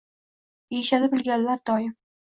Deyishadi bilganlar doim.